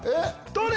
どれ？